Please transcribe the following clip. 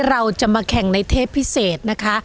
เราจะมาแข่งในเทปพิเศษนะคะ